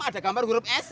ada gambar huruf s